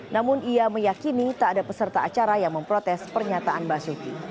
namun ia meyakini tak ada peserta acara yang memprotes pernyataan basuki